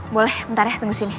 boleh ntar ya tunggu sini